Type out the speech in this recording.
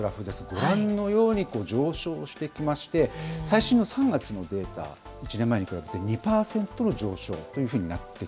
ご覧のように、上昇してきまして、最新の３月のデータ、１年前に比べて２％の上昇というふうになっ